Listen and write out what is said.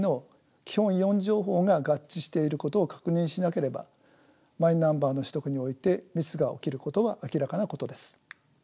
４情報が合致していることを確認しなければマイナンバーの取得においてミスが起きることは明らかなことです。